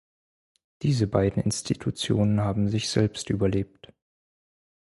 Diese beiden Institutionen haben sich selbst überlebt.